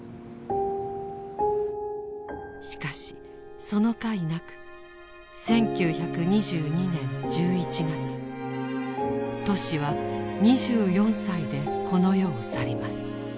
しかしそのかいなく１９２２年１１月トシは２４歳でこの世を去ります。